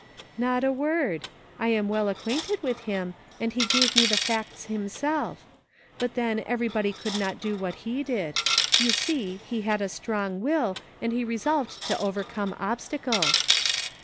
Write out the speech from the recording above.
" Not a word ; I am well acquainted with him, and he gave me the facts himself ; but then every body could not do what he did ; you see, he had a strong will, and he resolved to overcome obstacles."